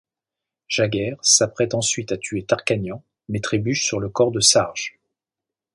Jagger s'apprête ensuite à tuer Tarkanian mais trébuche sur le corps de Sarge.